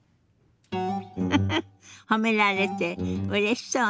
フフッ褒められてうれしそうね。